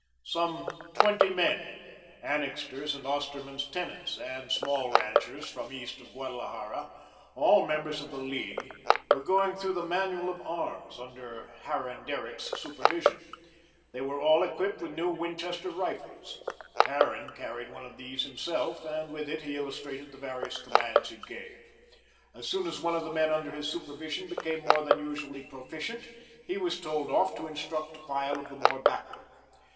Some twenty men, Annixter's and Osterman's tenants, and small ranchers from east of Guadalajara all members of the League were going through the manual of arms under Harran Derrick's supervision. They were all equipped with new Winchester rifles. Harran carried one of these himself and with it he illustrated the various commands he gave. As soon as one of the men under his supervision became more than usually proficient, he was told off to instruct a file of the more backward.